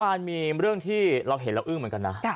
มันมีเรื่องที่เราเห็นแล้วอึ้งเหมือนกันนะ